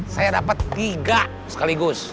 saya dapat tiga sekaligus